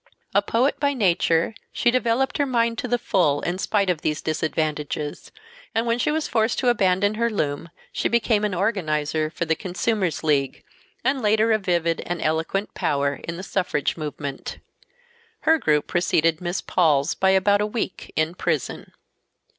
A poet by nature she developed her mind to the full in spite of these disadvantages, and when she was forced to abandon her loom she became an organizer for the Consumers' League, and later a vivid and eloquent power in the suffrage movement. Her group preceded Miss Paul's by about a week in prison.